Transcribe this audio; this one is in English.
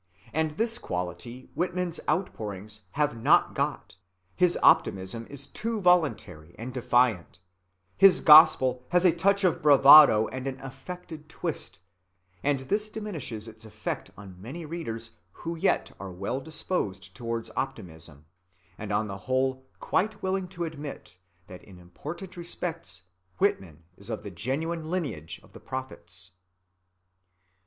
And this quality Whitman's outpourings have not got. His optimism is too voluntary and defiant; his gospel has a touch of bravado and an affected twist,(42) and this diminishes its effect on many readers who yet are well disposed towards optimism, and on the whole quite willing to admit that in important respects Whitman is of the genuine lineage of the prophets.